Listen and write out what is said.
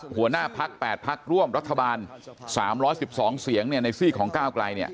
หัวหน้าพัก๘พักร่วมรัฐบาล๓๑๒เสียงในซีกของก้าวไกล